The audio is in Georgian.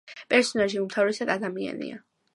პერსონაჟი უმთავრესად ადამიანია.